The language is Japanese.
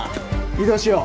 移動しよう。